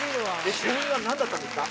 勝因は何だったんですか？